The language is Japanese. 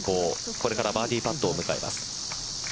これからバーディーパットを迎えます。